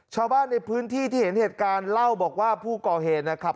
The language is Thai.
ชาวบ้านในพื้นที่ที่เห็นเหตุการณ์เล่าบอกว่าผู้ก่อเหตุนะครับ